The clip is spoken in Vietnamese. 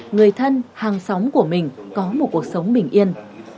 người thân hàng xóm của mình có một cuộc sống bình yên